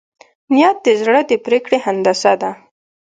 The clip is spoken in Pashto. نیت د زړه د پرېکړې هندسه ده.